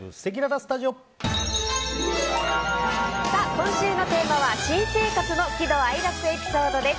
今週のテーマは新生活の喜怒哀楽エピソードです。